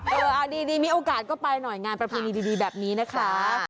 เออดีมีโอกาสก็ไปหน่อยงานประเพณีดีแบบนี้นะคะ